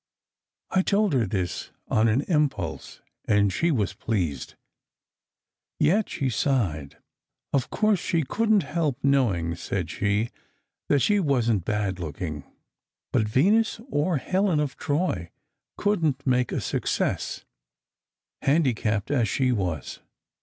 I told her this on an impulse, and she was pleased. Yet she sighed. Of course she couldn t help knowing, said she, that she wasn t bad looking. But Venus or Helen of Troy couldn t make a success, handicapped as she was.